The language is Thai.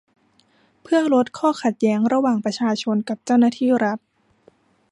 เพื่อลดข้อขัดแย้งระหว่างประชาชนกับเจ้าหน้าที่รัฐ